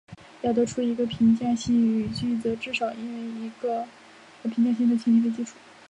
要得出一个评价性语句则至少应以一个评价性的前提为基础。